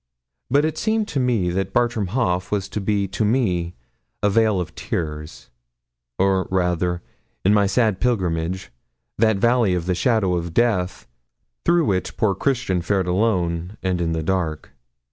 But it seemed to me that Bartram Haugh was to be to me a vale of tears; or rather, in my sad pilgrimage, that valley of the shadow of death through which poor Christian fared alone and in the dark.